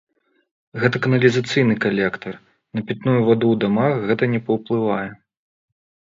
Гэта каналізацыйны калектар, на пітную ваду ў дамах гэта не паўплывае.